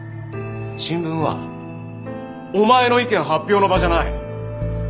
新聞はお前の意見発表の場じゃない。